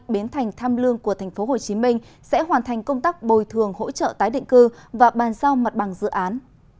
biến thành tham lương của tp hcm sẽ hoàn thành công tác bồi thường hỗ trợ tái định cư và bàn giao mặt bằng dự án